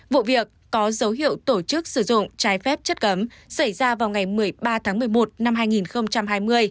vụ việc có dấu hiệu tổ chức sử dụng trái phép chất cấm xảy ra vào ngày một mươi ba tháng một mươi một năm hai nghìn hai mươi